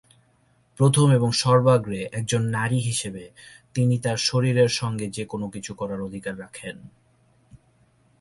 প্রথম এবং সর্বাগ্রে, একজন নারী হিসেবে, তিনি তার শরীরের সঙ্গে যে কোনো কিছু করার অধিকার রাখেন।